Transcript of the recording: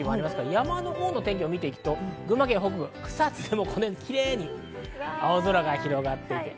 山のほうの天気を見ていくと群馬県北部、草津もキレイに青空が広がっています。